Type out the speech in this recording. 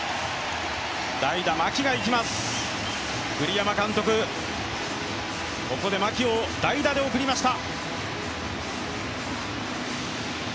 代打・牧がいきます、栗山監督、ここで牧を代打で送りました。